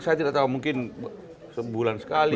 saya tidak tahu mungkin sebulan sekali